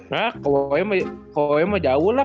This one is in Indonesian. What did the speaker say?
nah koem mah jauh lah